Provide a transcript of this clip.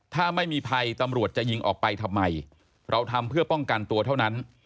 ถ้าไม่มีภัยตำรวจจะยิงออกไปทำไมเราทำเพื่อป้องกันตัวเท่านั้น